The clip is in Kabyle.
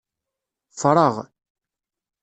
Ffreɣ.